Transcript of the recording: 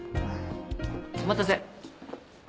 お待たせ。